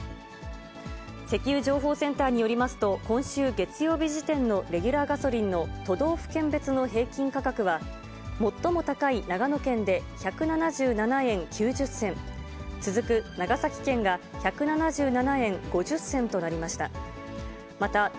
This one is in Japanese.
石油情報センターによりますと、今週月曜日時点のレギュラーガソリンの都道府県別の平均価格は、最も高い長野県で１７７円９０銭、続く長崎県が１７７円５０銭となりました。